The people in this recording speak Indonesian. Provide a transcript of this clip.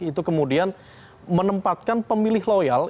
itu kemudian menempatkan pemilih loyal